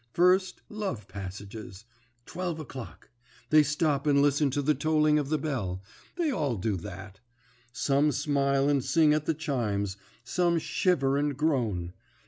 First love passages. Twelve o'clock. They stop and listen to the tolling of the bell they all do that. Some smile and sing at the chimes, some shiver and groan.